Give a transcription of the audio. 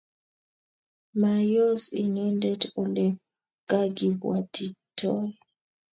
Mayoos inendet olegagibwatitoi